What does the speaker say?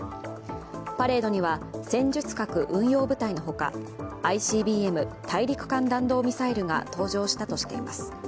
パレードには戦術核運用部隊のほかＩＣＢＭ＝大陸間弾道ミサイルが登場したとしています。